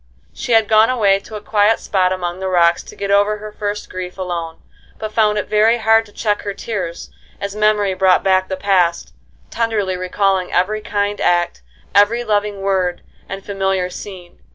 She had gone away to a quiet spot among the rocks to get over her first grief alone, but found it very hard to check her tears, as memory brought back the past, tenderly recalling every kind act, every loving word, and familiar scene.